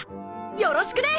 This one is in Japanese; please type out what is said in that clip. よろしくね！